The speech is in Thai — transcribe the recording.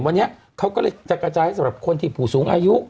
วันนี้เขาก็เลยจะกระจายให้สำหรับคนที่ผู้สูงอายุ